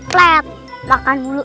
kau harus makan dulu